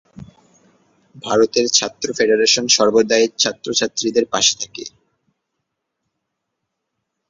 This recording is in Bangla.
ভারতের ছাত্র ফেডারেশন সর্বদাই ছাত্র ছাত্রীদের পাশে থাকে